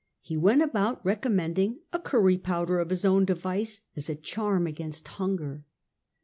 He went about recommending a curry powder of his own device as a charm against hunger.